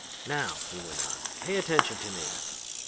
"'Now,' he went on, 'pay attention to me.